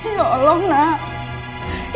ya allah nak